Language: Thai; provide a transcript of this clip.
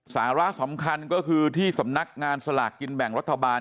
สาระสำคัญก็คือที่สำนักงานสลากกินแบ่งรัฐบาล